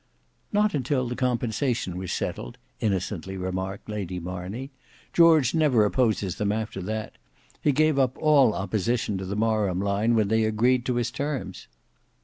"Not until the compensation was settled," innocently remarked Lady Marney; "George never opposes them after that. He gave up all opposition to the Marham line when they agreed to his terms."